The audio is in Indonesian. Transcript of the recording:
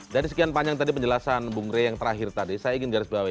dari sekian panjang tadi penjelasan bung rey yang terakhir tadi saya ingin garis bawahi